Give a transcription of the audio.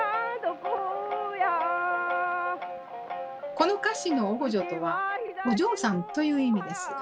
この歌詞の「おごじょ」とは「お嬢さん」という意味です。